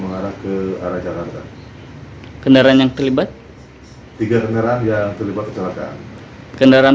mengarah ke arah jakarta kendaraan yang terlibat tiga kendaraan yang terlibat kecelakaan kendaraan